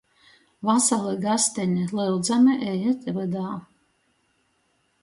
Vasali, gasteni, lyudzami ejit vydā!